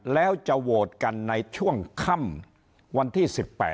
แล้วจะโหวตกันในช่วงค่ำวันที่๑๘